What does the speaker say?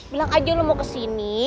bilang aja lu mau kesini